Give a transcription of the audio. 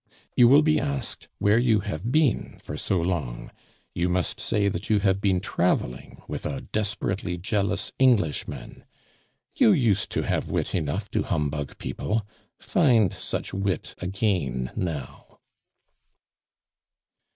You will be asked where you have been for so long. You must say that you have been traveling with a desperately jealous Englishman. You used to have wit enough to humbug people. Find such wit again now."